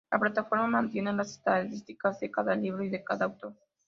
La plataforma mantiene las estadísticas de cada libro y de cada autor.